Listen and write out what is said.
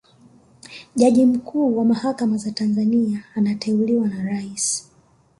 jaji mkuu wa mahakama za tanzania anateuliwa na rais